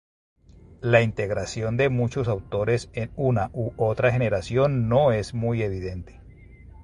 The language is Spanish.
La integración de muchos autores en una u otra generación no es muy evidente.